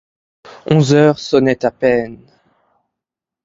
Onze heures sonnaient à peine.